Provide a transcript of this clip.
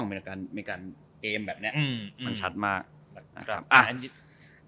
โดยเฉพาะบานมีนาทีมันขายสั้นชัดมาก